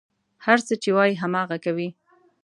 هر څه چې وايي، هماغه کوي.